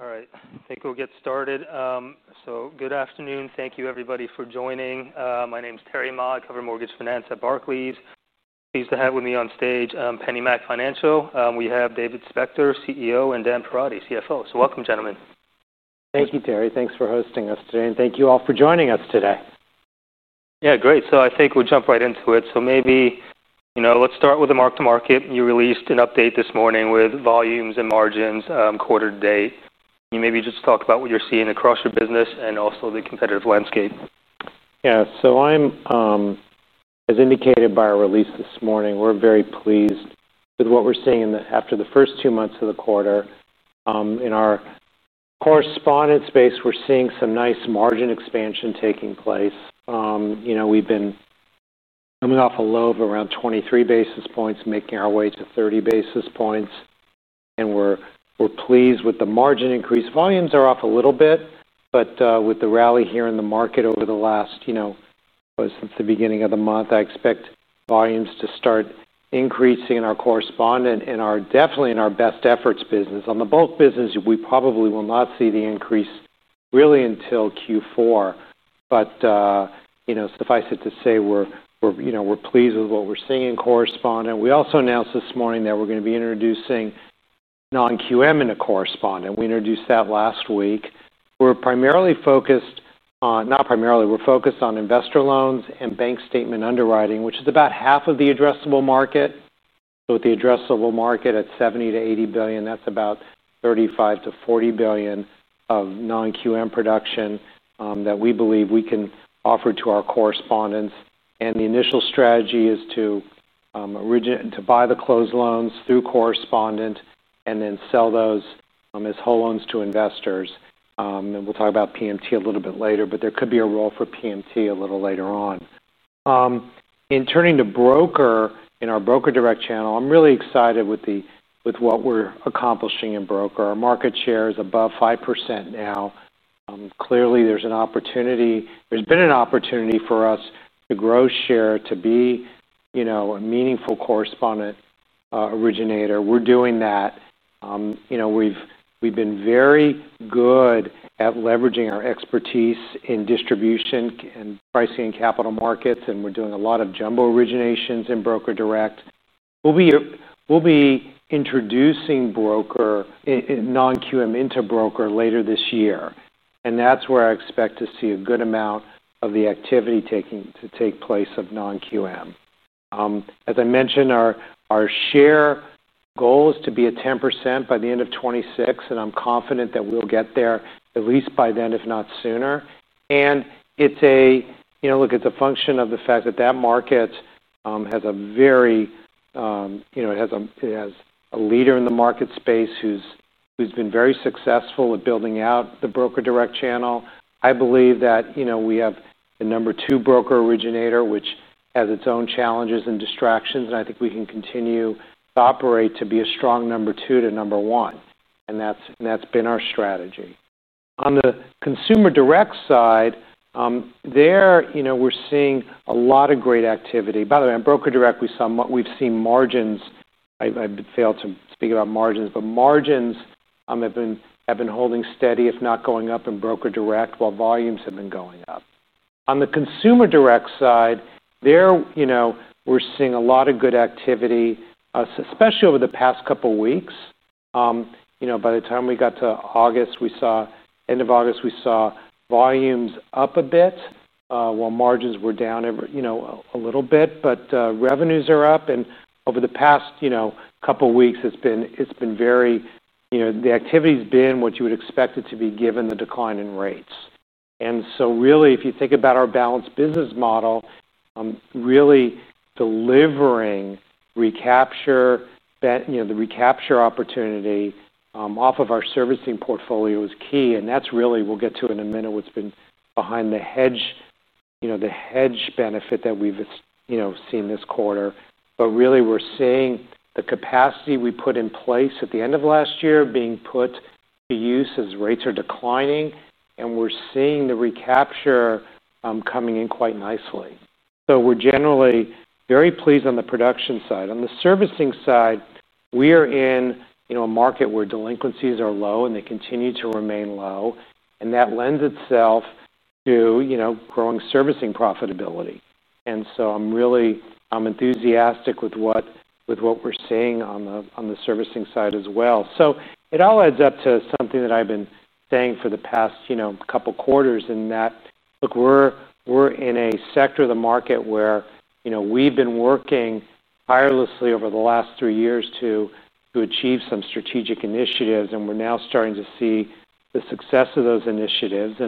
All right, I think we'll get started. Good afternoon. Thank you, everybody, for joining. My name is Terry Ma. I cover mortgage finance at Barclays. Pleased to have with me on stage PennyMac Financial Services. We have David Spector, CEO, and Dan Perotti, CFO. Welcome, gentlemen. Thank you, Terry. Thank you for hosting us today, and thank you all for joining us today. Great. I think we'll jump right into it. Maybe, you know, let's start with the mark to market. You released an update this morning with volumes and margins quarter to date. Can you maybe just talk about what you're seeing across your business and also the competitive landscape? Yeah, so as indicated by our release this morning, we're very pleased with what we're seeing after the first two months of the quarter. In our correspondent space, we're seeing some nice margin expansion taking place. We've been coming off a low of around 23 basis points, making our way to 30 basis points, and we're pleased with the margin increase. Volumes are off a little bit, but with the rally here in the market over the last, you know, since the beginning of the month, I expect volumes to start increasing in our correspondent and definitely in our best efforts business. On the bulk business, we probably will not see the increase really until Q4. Suffice it to say, we're pleased with what we're seeing in correspondent. We also announced this morning that we're going to be introducing non-QM in the correspondent. We introduced that last week. We're focused on investor loans and bank statement underwriting, which is about half of the addressable market. With the addressable market at $70 to $80 billion, that's about $35 to $40 billion of non-QM production that we believe we can offer to our correspondents. The initial strategy is to buy the closed loans through correspondent and then sell those as whole loans to investors. We'll talk about PennyMac Mortgage Investment Trust a little bit later, but there could be a role for PennyMac Mortgage Investment Trust a little later on. Turning to broker, in our broker direct channel, I'm really excited with what we're accomplishing in broker. Our market share is above 5% now. Clearly, there's an opportunity. There's been an opportunity for us to grow share, to be a meaningful correspondent originator. We're doing that. We've been very good at leveraging our expertise in distribution and pricing in capital markets, and we're doing a lot of jumbo originations in broker direct. We'll be introducing non-QM into broker later this year, and that's where I expect to see a good amount of the activity take place for non-QM. As I mentioned, our share goal is to be at 10% by the end of 2026, and I'm confident that we'll get there at least by then, if not sooner. It's a function of the fact that that market has a leader in the market space who's been very successful at building out the broker direct channel. I believe that we have a number two broker originator, which has its own challenges and distractions, and I think we can continue to operate to be a strong number two to number one. That's been our strategy. On the consumer direct side, we're seeing a lot of great activity. By the way, on broker direct, we've seen margins. I failed to speak about margins, but margins have been holding steady, if not going up in broker direct, while volumes have been going up. On the consumer direct side, we're seeing a lot of good activity, especially over the past couple of weeks. By the time we got to August, end of August, we saw volumes up a bit, while margins were down a little bit, but revenues are up. Over the past couple of weeks, the activity's been what you would expect it to be given the decline in rates. If you think about our balanced business model really delivering recapture, the recapture opportunity off of our servicing portfolio is key. That's really, we'll get to it in a minute, what's been behind the hedge benefit that we've seen this quarter. We're seeing the capacity we put in place at the end of last year being put to use as rates are declining, and we're seeing the recapture coming in quite nicely. We're generally very pleased on the production side. On the servicing side, we are in a market where delinquencies are low and they continue to remain low. That lends itself to growing servicing profitability. I'm enthusiastic with what we're seeing on the servicing side as well. It all adds up to something that I've been saying for the past couple of quarters in that, look, we're in a sector of the market where we've been working tirelessly over the last three years to achieve some strategic initiatives, and we're now starting to see the success of those initiatives.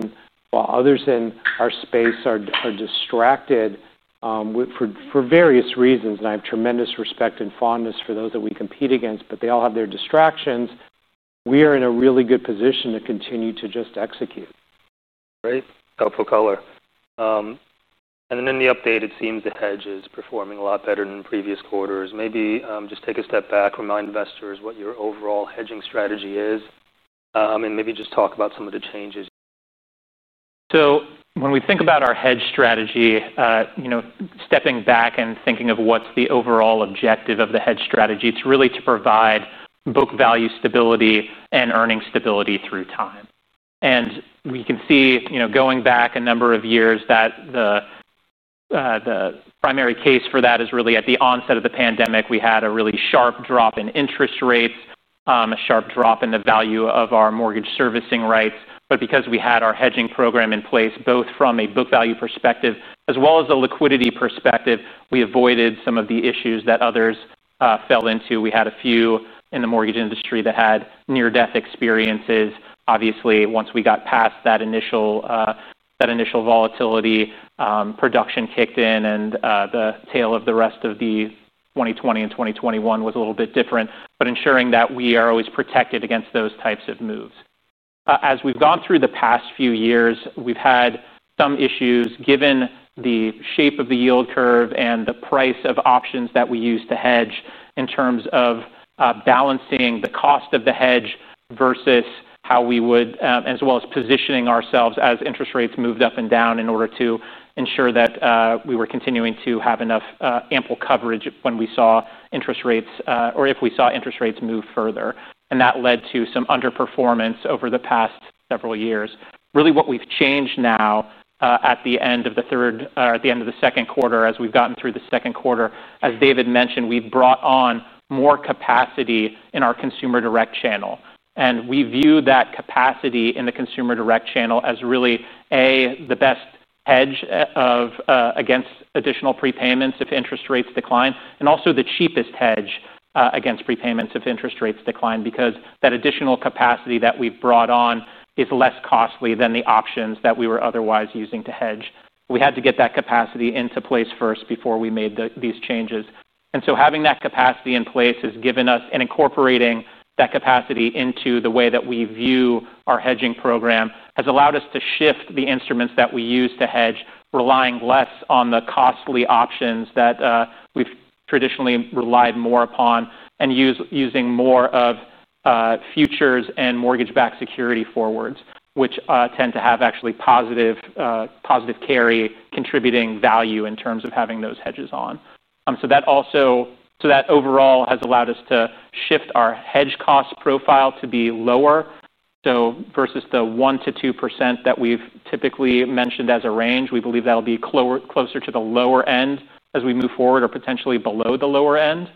While others in our space are distracted for various reasons, and I have tremendous respect and fondness for those that we compete against, but they all have their distractions, we are in a really good position to continue to just execute. Right, helpful color. In the update, it seems the hedge is performing a lot better than previous quarters. Maybe just take a step back, remind investors what your overall hedging strategy is, and maybe just talk about some of the changes. When we think about our hedge strategy, stepping back and thinking of what's the overall objective of the hedge strategy, it's really to provide book value stability and earning stability through time. We can see, going back a number of years, that the primary case for that is really at the onset of the pandemic. We had a really sharp drop in interest rates, a sharp drop in the value of our mortgage servicing rights. Because we had our hedging program in place, both from a book value perspective as well as a liquidity perspective, we avoided some of the issues that others fell into. We had a few in the mortgage industry that had near-death experiences. Obviously, once we got past that initial volatility, production kicked in and the tale of the rest of 2020 and 2021 was a little bit different, but ensuring that we are always protected against those types of moves. As we've gone through the past few years, we've had some issues given the shape of the yield curve and the price of options that we use to hedge in terms of balancing the cost of the hedge versus how we would, as well as positioning ourselves as interest rates moved up and down in order to ensure that we were continuing to have enough ample coverage when we saw interest rates or if we saw interest rates move further. That led to some underperformance over the past several years. Really, what we've changed now at the end of the second quarter, as we've gotten through the second quarter, as David mentioned, we've brought on more capacity in our consumer direct channel. We view that capacity in the consumer direct channel as really, A, the best hedge against additional prepayments if interest rates decline, and also the cheapest hedge against prepayments if interest rates decline, because that additional capacity that we've brought on is less costly than the options that we were otherwise using to hedge. We had to get that capacity into place first before we made these changes. Having that capacity in place has given us, and incorporating that capacity into the way that we view our hedging program has allowed us to shift the instruments that we use to hedge, relying less on the costly options that we've traditionally relied more upon and using more of futures and mortgage-backed securities forwards, which tend to have actually positive carry contributing value in terms of having those hedges on. That overall has allowed us to shift our hedge cost profile to be lower. Versus the 1 to 2% that we've typically mentioned as a range, we believe that'll be closer to the lower end as we move forward or potentially below the lower end.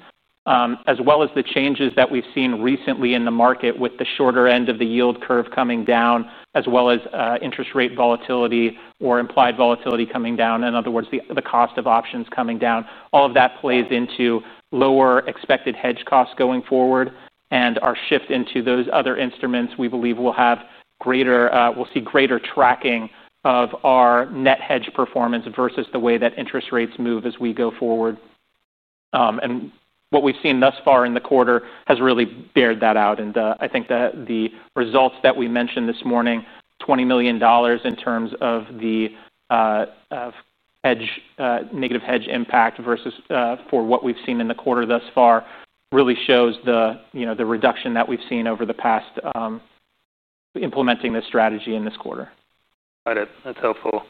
The changes that we've seen recently in the market with the shorter end of the yield curve coming down, as well as interest rate volatility or implied volatility coming down—in other words, the cost of options coming down—all of that plays into lower expected hedge costs going forward and our shift into those other instruments. We believe we'll see greater tracking of our net hedge performance versus the way that interest rates move as we go forward. What we've seen thus far in the quarter has really borne that out. I think that the results that we mentioned this morning, $20 million in terms of the negative hedge impact for what we've seen in the quarter thus far, really shows the reduction that we've seen over the past implementing this strategy in this quarter. Got it. That's helpful.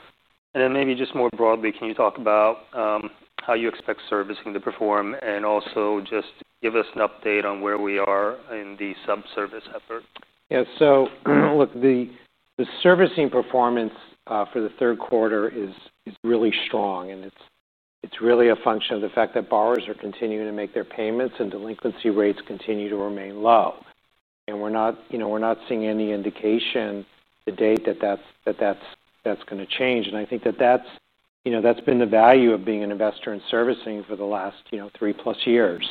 Maybe just more broadly, can you talk about how you expect servicing to perform and also just give us an update on where we are in the subservice effort? Yeah, so look, the servicing performance for the third quarter is really strong, and it's really a function of the fact that borrowers are continuing to make their payments and delinquency rates continue to remain low. We're not seeing any indication to date that that's going to change. I think that that's been the value of being an investor in servicing for the last three plus years.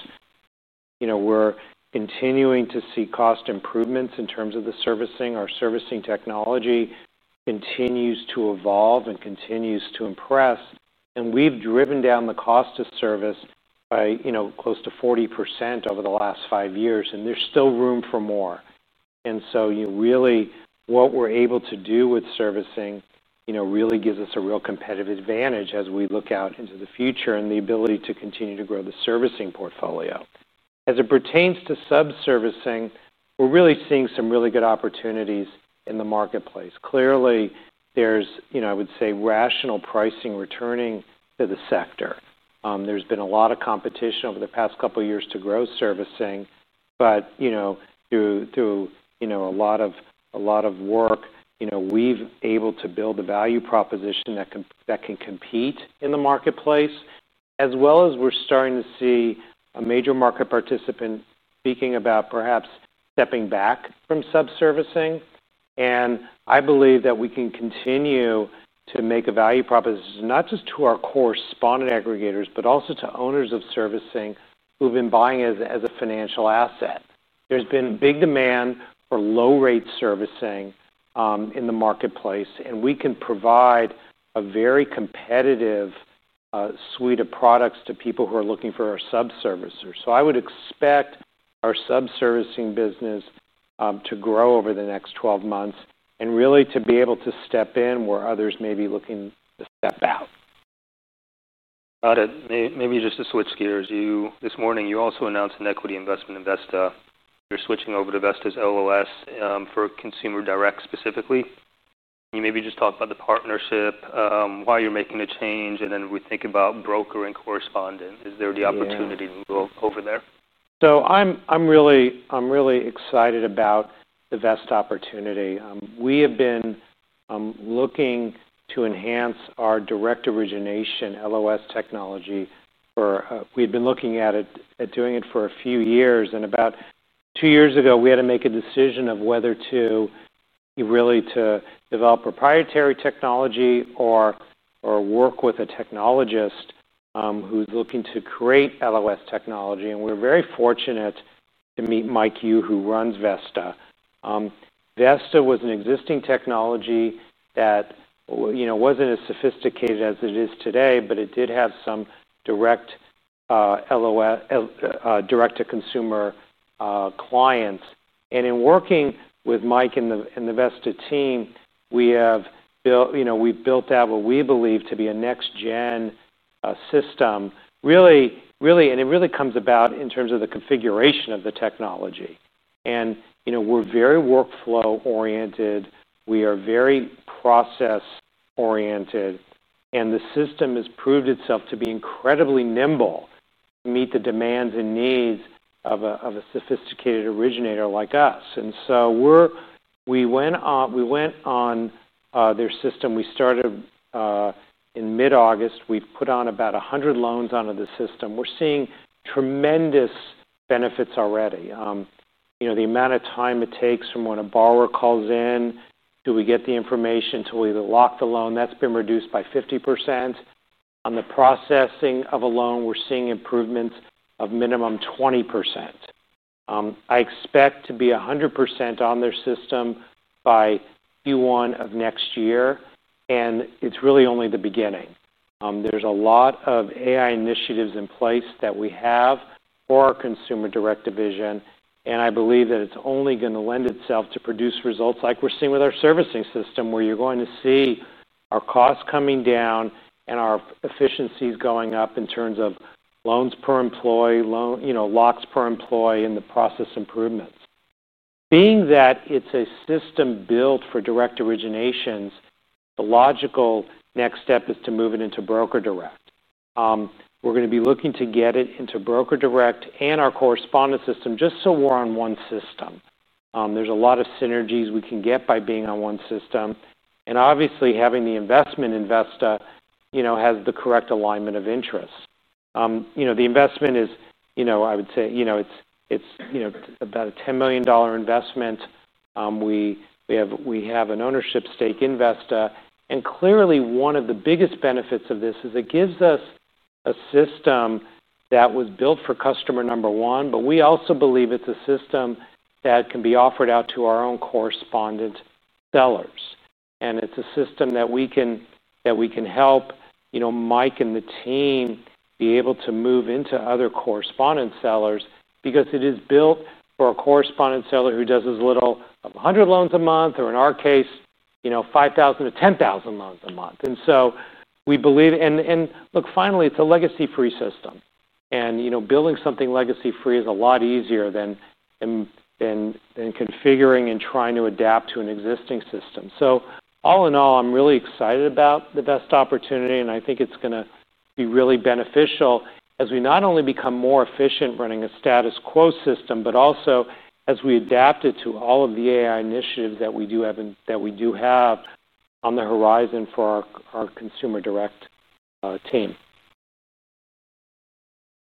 We're continuing to see cost improvements in terms of the servicing. Our servicing technology continues to evolve and continues to impress. We've driven down the cost of service by close to 40% over the last five years, and there's still room for more. Really, what we're able to do with servicing gives us a real competitive advantage as we look out into the future and the ability to continue to grow the servicing portfolio. As it pertains to subservicing, we're really seeing some really good opportunities in the marketplace. Clearly, I would say rational pricing is returning to the sector. There's been a lot of competition over the past couple of years to grow servicing, but through a lot of work, we've been able to build a value proposition that can compete in the marketplace, as well as we're starting to see a major market participant speaking about perhaps stepping back from subservicing. I believe that we can continue to make a value proposition not just to our correspondent aggregators, but also to owners of servicing who've been buying as a financial asset. There's been big demand for low-rate servicing in the marketplace, and we can provide a very competitive suite of products to people who are looking for our subservicers. I would expect our subservicing business to grow over the next 12 months and really to be able to step in where others may be looking to step out. Got it. Maybe just to switch gears, this morning you also announced an equity investment, Vesta. You're switching over to Vesta's LOS for consumer direct specifically. Can you maybe just talk about the partnership, why you're making the change, and then when we think about broker and correspondent, is there the opportunity over there? I'm really excited about the Vesta opportunity. We have been looking to enhance our direct origination LOS technology for a few years, and about two years ago we had to make a decision of whether to develop proprietary technology or work with a technologist who's looking to create LOS technology. We're very fortunate to meet Mike, who runs Vesta. Vesta was an existing technology that wasn't as sophisticated as it is today, but it did have some direct LOS, direct to consumer clients. In working with Mike and the Vesta team, we have built out what we believe to be a next-gen system. It really comes about in terms of the configuration of the technology. We're very workflow-oriented. We are very process-oriented. The system has proved itself to be incredibly nimble to meet the demands and needs of a sophisticated originator like us. We went on their system. We started in mid-August. We've put on about 100 loans onto the system. We're seeing tremendous benefits already. The amount of time it takes from when a borrower calls in to when we get the information to either lock the loan, that's been reduced by 50%. On the processing of a loan, we're seeing improvements of minimum 20%. I expect to be 100% on their system by Q1 of next year. It's really only the beginning. There's a lot of AI initiatives in place that we have for our consumer direct division. I believe that it's only going to lend itself to produce results like we're seeing with our servicing system, where you're going to see our costs coming down and our efficiencies going up in terms of loans per employee, locks per employee, and the process improvements. Being that it's a system built for direct originations, the logical next step is to move it into broker direct. We're going to be looking to get it into broker direct and our correspondent system just so we're on one system. There's a lot of synergies we can get by being on one system. Obviously, having the investment in Vesta has the correct alignment of interests. The investment is about a $10 million investment. We have an ownership stake in Vesta. Clearly, one of the biggest benefits of this is it gives us a system that was built for customer number one, but we also believe it's a system that can be offered out to our own correspondent sellers. It's a system that we can help Mike and the team be able to move into other correspondent sellers because it is built for a correspondent seller who does as little as 100 loans a month or, in our case, 5,000 to 10,000 loans a month. We believe, finally, it's a legacy-free system. Building something legacy-free is a lot easier than configuring and trying to adapt to an existing system. All in all, I'm really excited about the Vesta opportunity. I think it's going to be really beneficial as we not only become more efficient running a status quo system, but also as we adapt it to all of the AI initiatives that we do have on the horizon for our consumer direct team.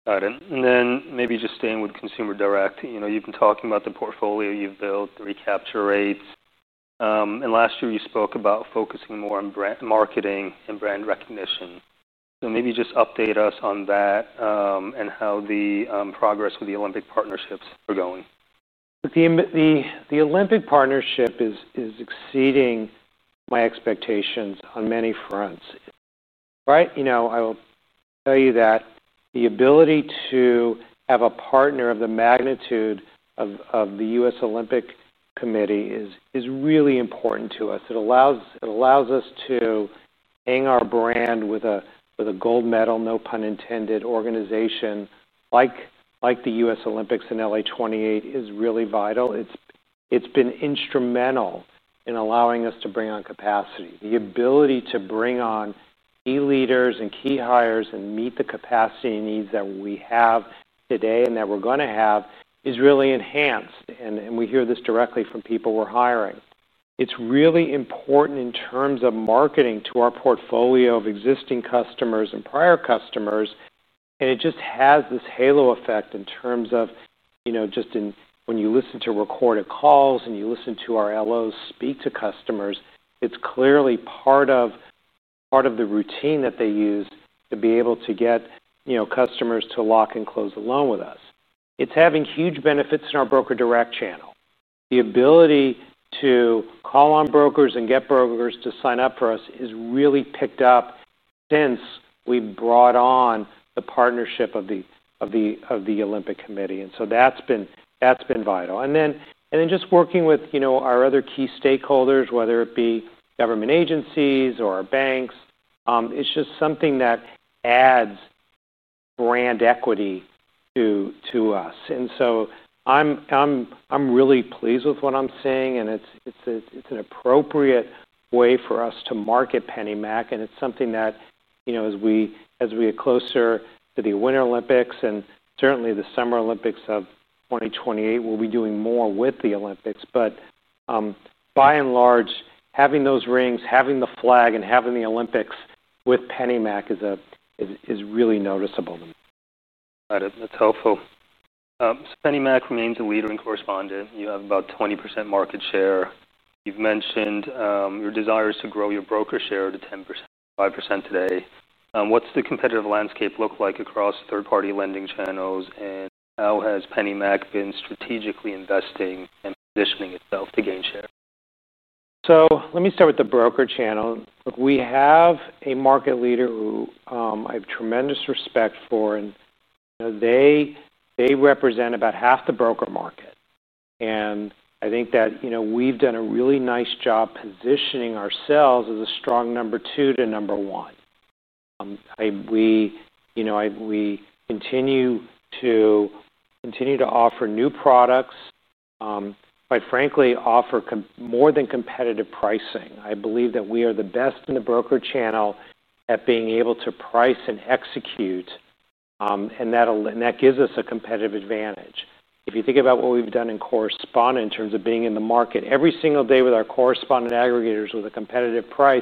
Got it. Maybe just staying with consumer direct, you've been talking about the portfolio you've built, the recapture rates. Last year you spoke about focusing more on brand marketing and brand recognition. Maybe just update us on that and how the progress with the Olympic partnerships are going. The Olympic partnership is exceeding my expectations on many fronts. I will tell you that the ability to have a partner of the magnitude of the U.S. Olympic & Paralympic Committee is really important to us. It allows us to hang our brand with a gold medal, no pun intended, organization like the U.S. Olympics, and LA28 is really vital. It's been instrumental in allowing us to bring on capacity. The ability to bring on key leaders and key hires and meet the capacity needs that we have today and that we're going to have is really enhanced. We hear this directly from people we're hiring. It's really important in terms of marketing to our portfolio of existing customers and prior customers. It just has this halo effect in terms of, you know, just in when you listen to recorded calls and you listen to our LOs speak to customers, it's clearly part of the routine that they use to be able to get customers to lock and close the loan with us. It's having huge benefits in our broker direct channel. The ability to call on brokers and get brokers to sign up for us has really picked up since we've brought on the partnership of the Olympic Committee. That's been vital. Just working with our other key stakeholders, whether it be government agencies or our banks, it's just something that adds brand equity to us. I'm really pleased with what I'm seeing. It's an appropriate way for us to market PennyMac. It's something that, as we get closer to the Winter Olympics and certainly the Summer Olympics of 2028, we'll be doing more with the Olympics. By and large, having those rings, having the flag, and having the Olympics with PennyMac is really noticeable. Got it. That's helpful. PennyMac remains a leader in correspondent. You have about 20% market share. You've mentioned your desires to grow your broker share to 10%, 5% today. What's the competitive landscape look like across third-party lending channels? How has PennyMac been strategically investing and positioning itself to gain share? Let me start with the broker channel. We have a market leader who I have tremendous respect for. They represent about half the broker market. I think that we've done a really nice job positioning ourselves as a strong number two to number one. We continue to offer new products, quite frankly, offer more than competitive pricing. I believe that we are the best in the broker channel at being able to price and execute, and that gives us a competitive advantage. If you think about what we've done in correspondent in terms of being in the market every single day with our correspondent aggregators with a competitive price,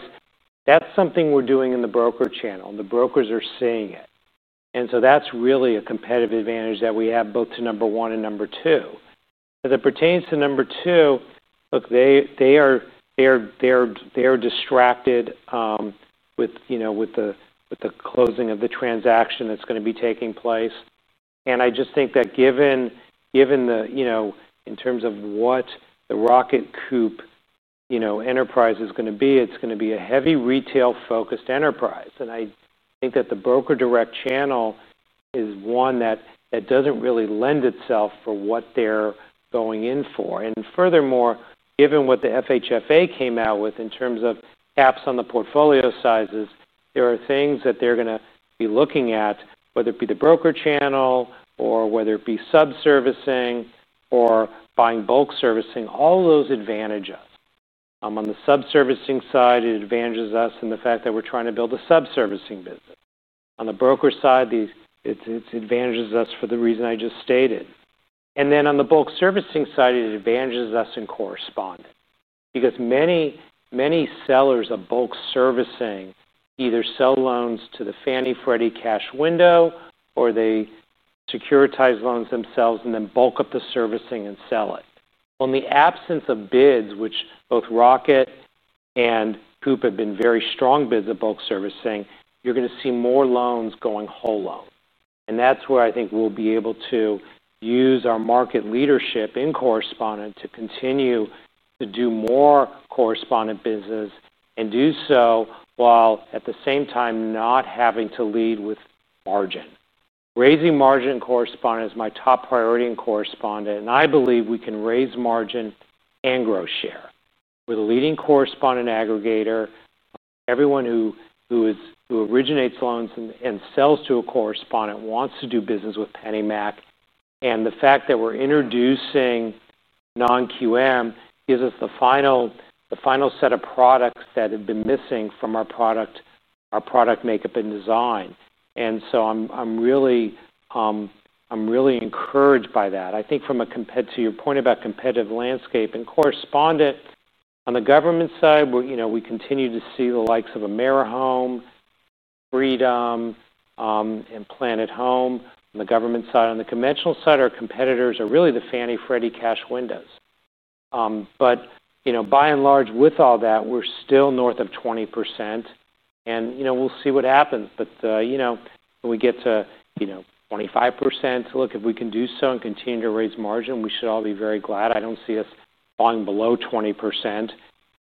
that's something we're doing in the broker channel, and the brokers are seeing it. That's really a competitive advantage that we have both to number one and number two. As it pertains to number two, look, they are distracted with the closing of the transaction that's going to be taking place. I just think that, given the, in terms of what the Rocket Mortgage enterprise is going to be, it's going to be a heavy retail-focused enterprise. I think that the broker direct channel is one that doesn't really lend itself for what they're going in for. Furthermore, given what the FHFA came out with in terms of caps on the portfolio sizes, there are things that they're going to be looking at, whether it be the broker channel or whether it be subservicing or buying bulk servicing, all of those advantages. On the subservicing side, it advantages us in the fact that we're trying to build a subservicing business. On the broker side, it advantages us for the reason I just stated. On the bulk servicing side, it advantages us in correspondent because many sellers of bulk servicing either sell loans to the Fannie Freddie cash window or they securitize loans themselves and then bulk up the servicing and sell it. In the absence of bids, which both Rocket Mortgage and United Wholesale Mortgage have been very strong bids of bulk servicing, you're going to see more loans going whole loan. That's where I think we'll be able to use our market leadership in correspondent to continue to do more correspondent business and do so while at the same time not having to lead with margin. Raising margin in correspondent is my top priority in correspondent. I believe we can raise margin and grow share. We're the leading correspondent aggregator. Everyone who originates loans and sells to a correspondent wants to do business with PennyMac. The fact that we're introducing non-QM gives us the final set of products that have been missing from our product makeup and design. I'm really encouraged by that. I think from a competitive, to your point about competitive landscape and correspondent on the government side, we continue to see the likes of AmeriHome, Freedom, and Planet Home. On the government side, on the conventional side, our competitors are really the Fannie Freddie cash windows. By and large, with all that, we're still north of 20%. We'll see what happens. When we get to 25%, look, if we can do so and continue to raise margin, we should all be very glad. I don't see us falling below 20%.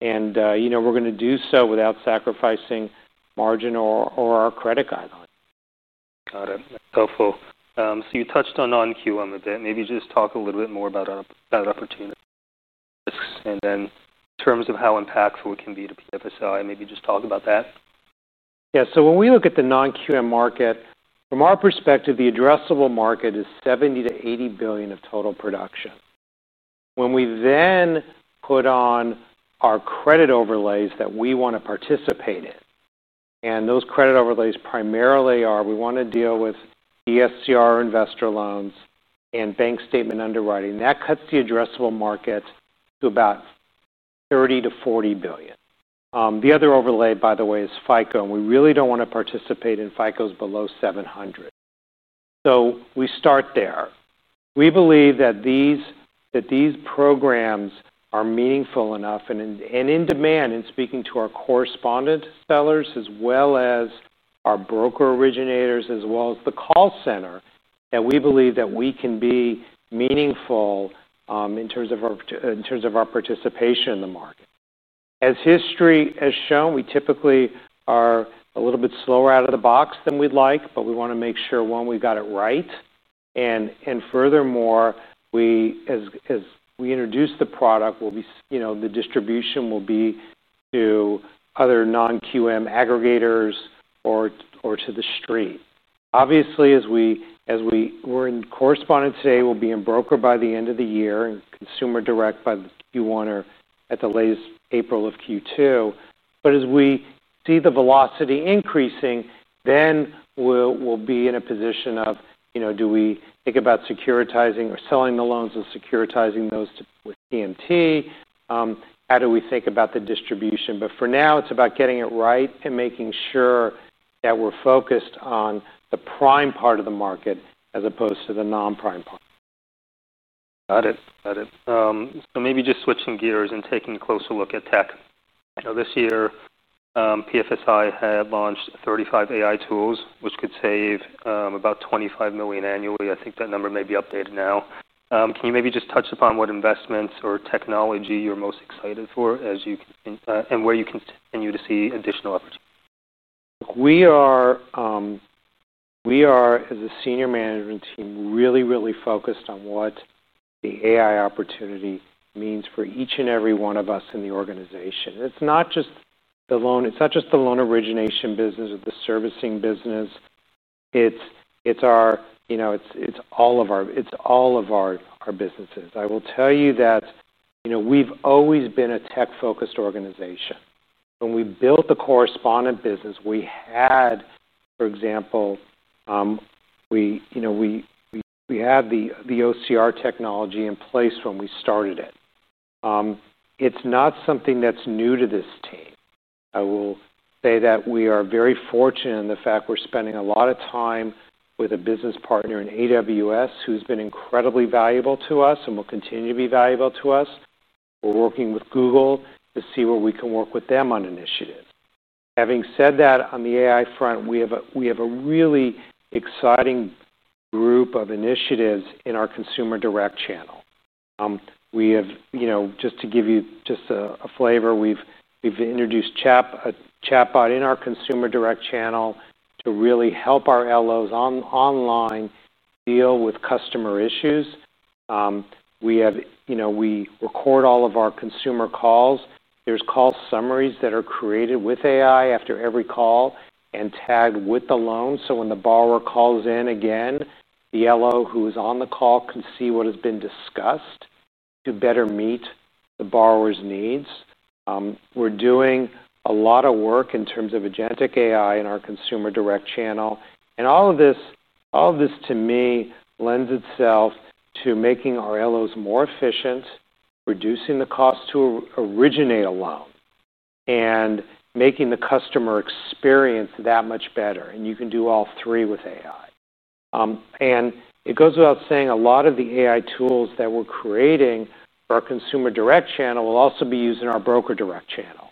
We're going to do so without sacrificing margin or our credit guideline. Got it. That's helpful. You touched on non-QM a bit. Maybe just talk a little bit more about that opportunity. In terms of how impactful it can be to PennyMac Financial Services, maybe just talk about that. Yeah, so when we look at the non-QM market, from our perspective, the addressable market is $70 to $80 billion of total production. When we then put on our credit overlays that we want to participate in, and those credit overlays primarily are we want to deal with ESCR investor loans and bank statement underwriting. That cuts the addressable market to about $30 to $40 billion. The other overlay, by the way, is FICO, and we really don't want to participate in FICOs below 700. We start there. We believe that these programs are meaningful enough and in demand in speaking to our correspondent sellers as well as our broker originators as well as the call center. We believe that we can be meaningful in terms of our participation in the market. As history has shown, we typically are a little bit slower out of the box than we'd like, but we want to make sure, one, we've got it right. Furthermore, as we introduce the product, the distribution will be to other non-QM aggregators or to the street. Obviously, as we are in correspondent today, we'll be in broker by the end of the year and consumer direct by Q1 or at the latest April of Q2. As we see the velocity increasing, then we'll be in a position of, do we think about securitizing or selling the loans and securitizing those with PMT? How do we think about the distribution? For now, it's about getting it right and making sure that we're focused on the prime part of the market as opposed to the non-prime part. Got it. Got it. Maybe just switching gears and taking a closer look at tech. You know, this year, PennyMac Financial Services had launched 35 AI tools, which could save about $25 million annually. I think that number may be updated now. Can you maybe just touch upon what investments or technology you're most excited for as you can and where you can continue to see additional opportunities? We are, as a Senior Management team, really, really focused on what the AI opportunity means for each and every one of us in the organization. It's not just the loan, it's not just the loan origination business or the servicing business. It's all of our businesses. I will tell you that we've always been a tech-focused organization. When we built the correspondent business, for example, we had the OCR technology in place when we started it. It's not something that's new to this team. I will say that we are very fortunate in the fact we're spending a lot of time with a business partner in AWS who's been incredibly valuable to us and will continue to be valuable to us. We're working with Google to see where we can work with them on initiatives. Having said that, on the AI front, we have a really exciting group of initiatives in our consumer direct channel. Just to give you a flavor, we've introduced a chatbot in our consumer direct channel to really help our LOs online deal with customer issues. We record all of our consumer calls. There are call summaries that are created with AI after every call and tagged with the loan. When the borrower calls in again, the LO who is on the call can see what has been discussed to better meet the borrower's needs. We're doing a lot of work in terms of agentic AI in our consumer direct channel. All of this, to me, lends itself to making our LOs more efficient, reducing the cost to originate a loan, and making the customer experience that much better. You can do all three with AI. It goes without saying a lot of the AI tools that we're creating for our consumer direct channel will also be used in our broker direct channel.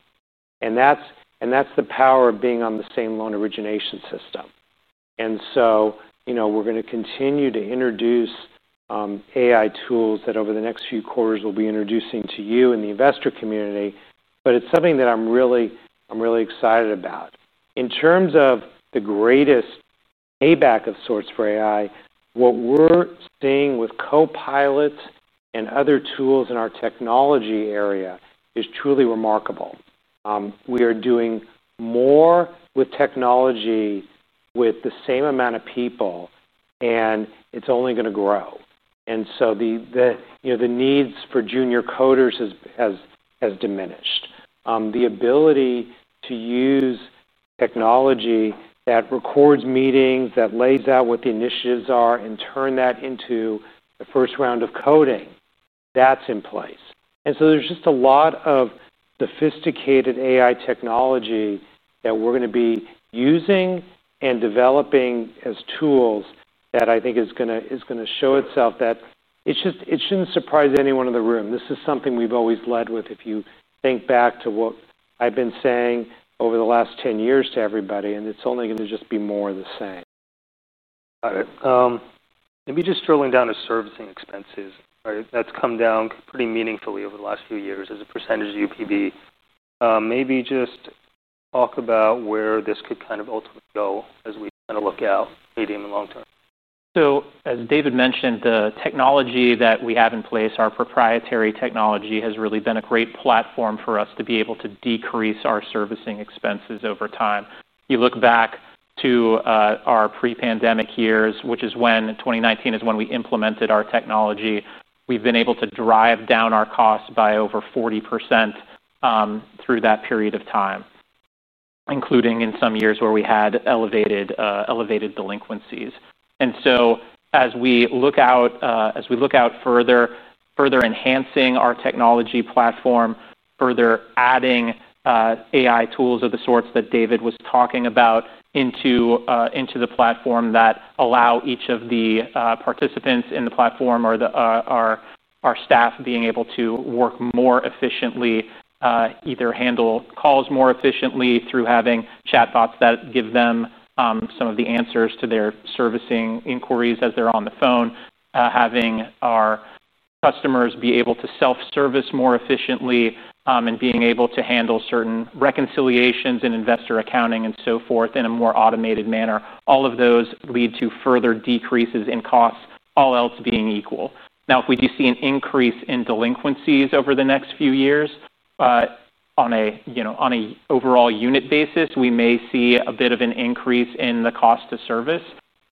That's the power of being on the same loan origination system. We're going to continue to introduce AI tools that over the next few quarters we'll be introducing to you and the investor community. It's something that I'm really excited about. In terms of the greatest payback of sorts for AI, what we're seeing with copilots and other tools in our technology area is truly remarkable. We are doing more with technology with the same amount of people, and it's only going to grow. The needs for junior coders has diminished. The ability to use technology that records meetings, that lays out what the initiatives are, and turn that into the first round of coding, that's in place. There is just a lot of sophisticated AI technology that we're going to be using and developing as tools that I think is going to show itself. It shouldn't surprise anyone in the room. This is something we've always led with. If you think back to what I've been saying over the last 10 years to everybody, it's only going to just be more of the same. Got it. Maybe just drilling down to servicing expenses, right? That's come down pretty meaningfully over the last few years as a percentage of UPB. Maybe just talk about where this could kind of ultimately go as we kind of look out medium and long term. As David mentioned, the technology that we have in place, our proprietary technology, has really been a great platform for us to be able to decrease our servicing expenses over time. You look back to our pre-pandemic years, which is when 2019 is when we implemented our technology. We've been able to drive down our costs by over 40% through that period of time, including in some years where we had elevated delinquencies. As we look out, further enhancing our technology platform, further adding AI tools of the sorts that David was talking about into the platform that allow each of the participants in the platform or our staff being able to work more efficiently, either handle calls more efficiently through having chatbots that give them some of the answers to their servicing inquiries as they're on the phone, having our customers be able to self-service more efficiently, and being able to handle certain reconciliations and investor accounting and so forth in a more automated manner, all of those lead to further decreases in costs, all else being equal. If we do see an increase in delinquencies over the next few years, on an overall unit basis, we may see a bit of an increase in the cost of service.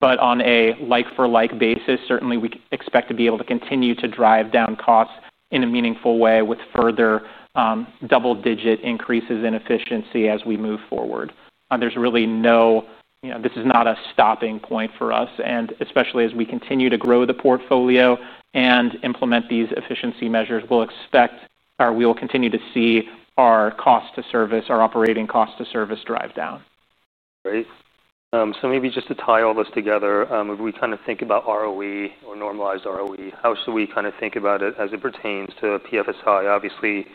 On a like-for-like basis, certainly we expect to be able to continue to drive down costs in a meaningful way with further double-digit increases in efficiency as we move forward. There is really no, you know, this is not a stopping point for us. Especially as we continue to grow the portfolio and implement these efficiency measures, we will continue to see our cost to service, our operating cost to service, drive down. Great. Maybe just to tie all this together, if we kind of think about ROE or normalized ROE, how should we kind of think about it as it pertains to PennyMac Financial Services? Obviously,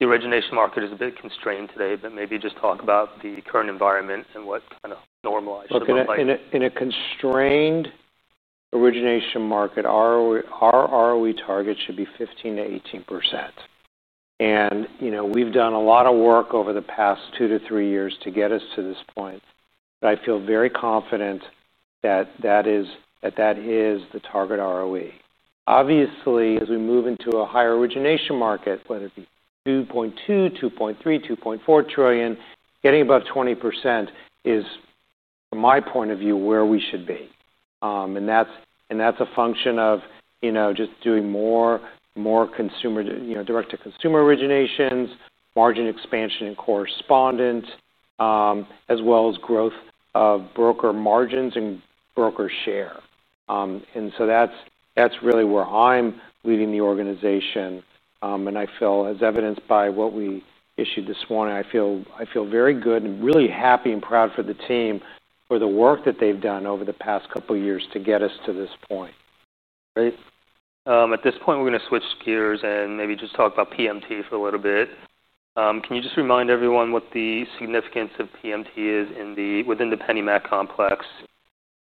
the origination market is a bit constrained today, but maybe just talk about the current environment and what kind of normalized ROE looks like. In a constrained origination market, our ROE target should be 15 to 18%. We've done a lot of work over the past two to three years to get us to this point. I feel very confident that that is the target ROE. Obviously, as we move into a higher origination market, whether it be $2.2 trillion, $2.3 trillion, $2.4 trillion, getting above 20% is, from my point of view, where we should be. That's a function of just doing more, more consumer, direct-to-consumer originations, margin expansion in correspondent, as well as growth of broker margins and broker share. That's really where I'm leading the organization. I feel, as evidenced by what we issued this morning, very good and really happy and proud for the team for the work that they've done over the past couple of years to get us to this point. Great. At this point, we're going to switch gears and maybe just talk about PMT for a little bit. Can you just remind everyone what the significance of PMT is within the PennyMac complex?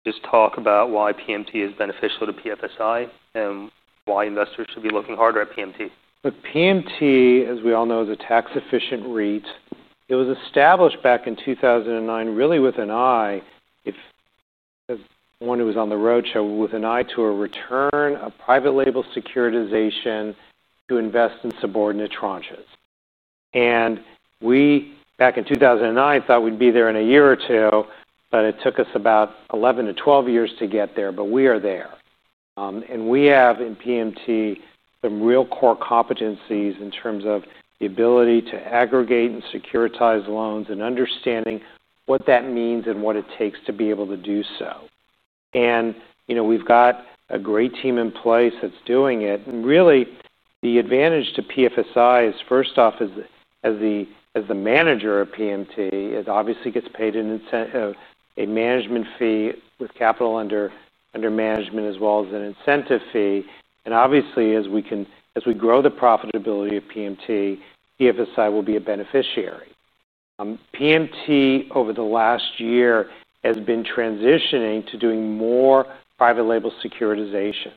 Just talk about why PMT is beneficial to PFSI and why investors should be looking harder at PMT. PMT, as we all know, is a tax-efficient REIT. It was established back in 2009, really with an eye, if one who was on the roadshow, with an eye to a return, a private label securitization to invest in subordinate tranches. We, back in 2009, thought we'd be there in a year or two, but it took us about 11 to 12 years to get there, but we are there. We have in PMT some real core competencies in terms of the ability to aggregate and securitize loans and understanding what that means and what it takes to be able to do so. We've got a great team in place that's doing it. The advantage to PFSI is, first off, as the manager of PMT, it obviously gets paid an incentive, a management fee with capital under management, as well as an incentive fee. Obviously, as we grow the profitability of PMT, PFSI will be a beneficiary. PMT, over the last year, has been transitioning to doing more private label securitization.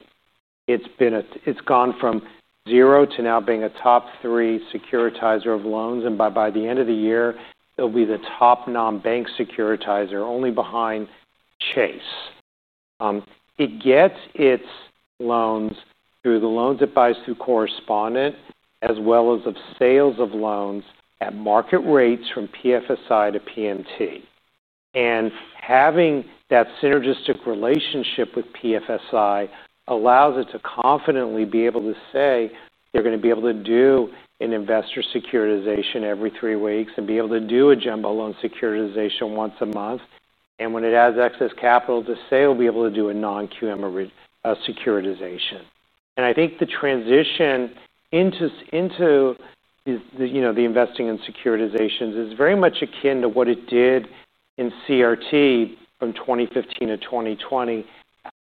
It's gone from zero to now being a top three securitizer of loans. By the end of the year, it'll be the top non-bank securitizer, only behind Chase. It gets its loans through the loans it buys through correspondent, as well as sales of loans at market rates from PFSI to PMT. Having that synergistic relationship with PFSI allows it to confidently be able to say they're going to be able to do an investor securitization every three weeks and be able to do a jumbo loan securitization once a month. When it adds excess capital to sale, it'll be able to do a non-QM securitization. I think the transition into the investing in securitizations is very much akin to what it did in CRT from 2015 to 2020,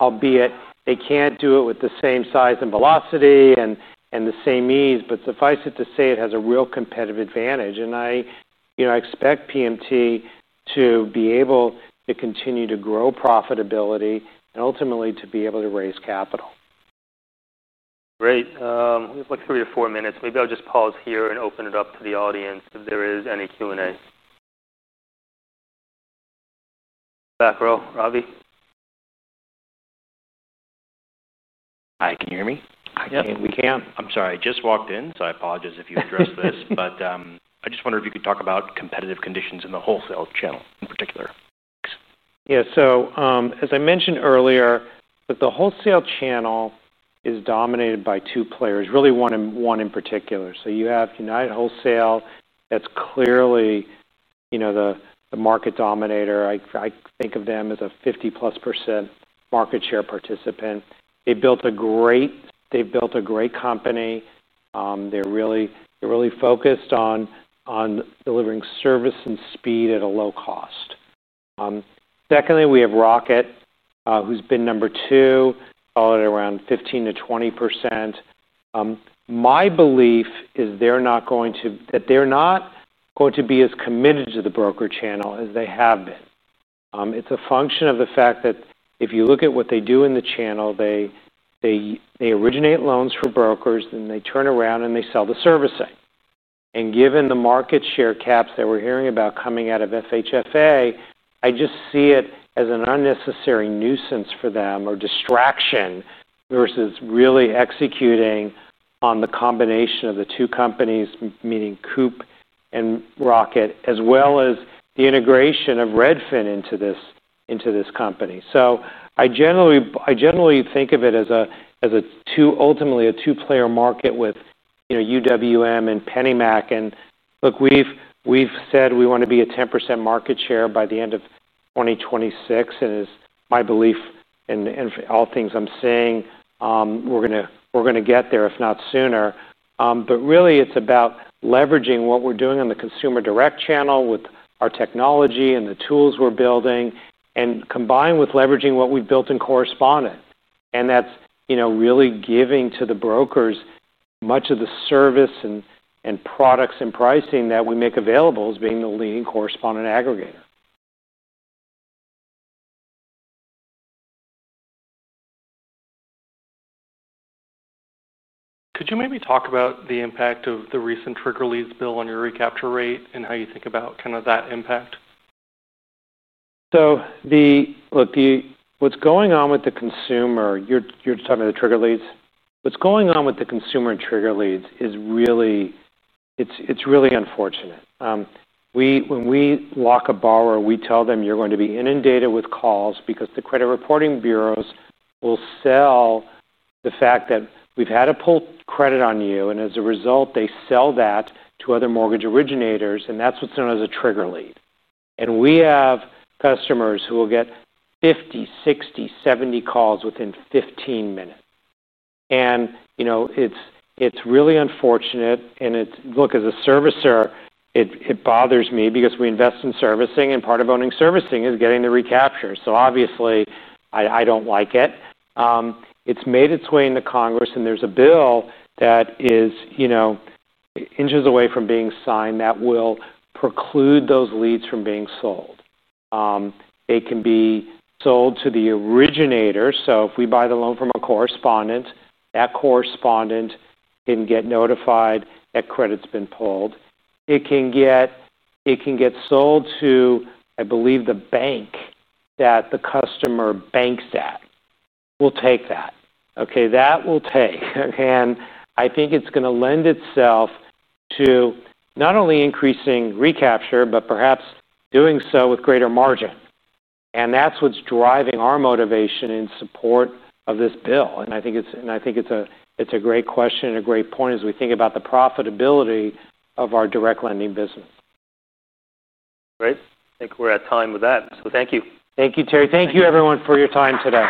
albeit they can't do it with the same size and velocity and the same ease, but suffice it to say it has a real competitive advantage. I expect PMT to be able to continue to grow profitability and ultimately to be able to raise capital. Great. We have like three or four minutes. Maybe I'll just pause here and open it up to the audience if there is any Q&A. Back, Raul, Ravi. Hi, can you hear me? Yes, we can. I'm sorry, I just walked in, so I apologize if you addressed this, but I just wondered if you could talk about competitive conditions in the wholesale channel in particular. Thanks. Yeah, as I mentioned earlier, the wholesale channel is dominated by two players, really one in particular. You have United Wholesale, that's clearly the market dominator. I think of them as a 50% plus market share participant. They've built a great company. They're really focused on delivering service and speed at a low cost. Secondly, we have Rocket, who's been number two, followed around 15% to 20%. My belief is they're not going to be as committed to the broker channel as they have been. It's a function of the fact that if you look at what they do in the channel, they originate loans for brokers and they turn around and sell the servicing. Given the market share caps that we're hearing about coming out of FHFA, I just see it as an unnecessary nuisance for them or distraction versus really executing on the combination of the two companies, meaning Coupe and Rocket, as well as the integration of Redfin into this company. I generally think of it as ultimately a two-player market with UWM and PennyMac. We've said we want to be a 10% market share by the end of 2026. It's my belief, and all things I'm saying, we're going to get there if not sooner. Really, it's about leveraging what we're doing on the consumer direct channel with our technology and the tools we're building, combined with leveraging what we've built in correspondent. That's really giving to the brokers much of the service and products and pricing that we make available as being the leading correspondent aggregator. Could you maybe talk about the impact of the recent trigger leads bill on your recapture rate and how you think about that impact? Look, what's going on with the consumer, you're talking about the trigger leads? What's going on with the consumer and trigger leads is really, it's really unfortunate. When we lock a borrower, we tell them you're going to be inundated with calls because the credit reporting bureaus will sell the fact that we've had a pull credit on you. As a result, they sell that to other mortgage originators. That's what's known as a trigger lead. We have customers who will get 50, 60, 70 calls within 15 minutes. It's really unfortunate. As a servicer, it bothers me because we invest in servicing and part of owning servicing is getting the recapture. Obviously, I don't like it. It's made its way into Congress and there's a bill that is inches away from being signed that will preclude those leads from being sold. They can be sold to the originator. If we buy the loan from a correspondent, that correspondent can get notified that credit's been pulled. It can get sold to, I believe, the bank that the customer banks at. We'll take that. Okay, that will take. I think it's going to lend itself to not only increasing recapture, but perhaps doing so with greater margin. That's what's driving our motivation in support of this bill. I think it's a great question and a great point as we think about the profitability of our direct lending business. Great. I think we're at time with that. Thank you, Terry. Thank you, everyone, for your time today.